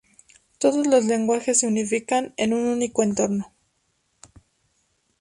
Todos los lenguajes se unifican en un único entorno.